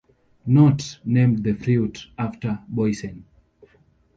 Knott named the fruit after Boysen.